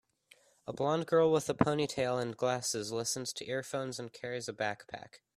A blond girl with a ponytail an glasses listens to earphones and carries a backpack.